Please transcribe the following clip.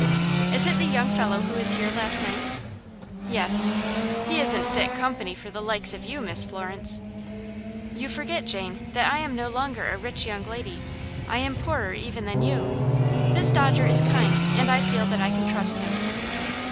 "Is it the young fellow who was here last night?" "Yes." "He isn't fit company for the likes of you, Miss Florence." "You forget, Jane, that I am no longer a rich young lady. I am poorer than even you. This Dodger is kind, and I feel that I can trust him."